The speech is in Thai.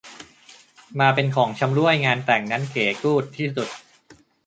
มาเป็นของชำร่วยงานแต่งนั้นเก๋กู้ดที่สุด